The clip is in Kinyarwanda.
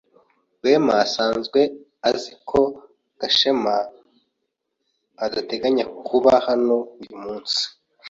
Rwema asanzwe azi ko Gashema adateganya kuba hano uyu munsi.